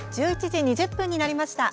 １１時２０分になりました。